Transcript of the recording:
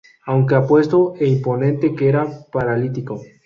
Aunque apuesto e imponente que era paralítico.